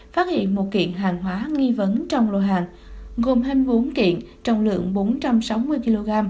phát hiện một kiện hàng hóa nghi vấn trong lô hàng gồm hai mươi bốn kiện trọng lượng bốn trăm sáu mươi kg